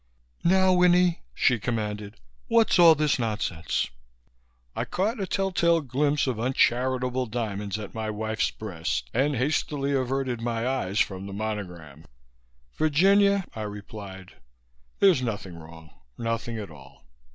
"Now, Winnie," she commanded. "What's all this nonsense?" I caught a tell tale glimpse of uncharitable diamonds at my wife's breast and hastily averted my eyes from the monogram. "Virginia," I replied, "There's nothing wrong. Nothing at all.